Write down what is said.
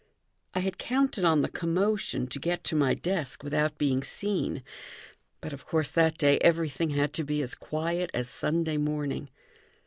I had counted on the commotion to get to my desk without being seen; but, of course, that day everything had to be as quiet as Sunday morning.